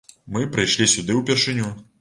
Мы прыйшлі сюды ўпершыню.